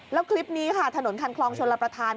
แล้วคลิปนี้ค่ะถนนคันคลองชนรับประทาน